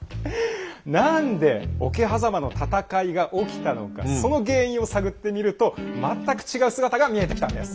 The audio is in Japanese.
何で桶狭間の戦いが起きたのかその原因を探ってみると全く違う姿が見えてきたんです。